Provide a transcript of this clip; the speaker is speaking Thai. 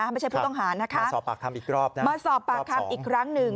ไม่ใช่ผู้ต้องหานะคะมาสอบปากคำอีกครั้งนึง